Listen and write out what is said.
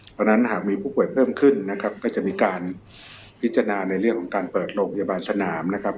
เพราะฉะนั้นหากมีผู้ป่วยเพิ่มขึ้นนะครับก็จะมีการพิจารณาในเรื่องของการเปิดโรงพยาบาลสนามนะครับ